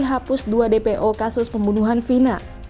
hapus dua dpo kasus pembunuhan vina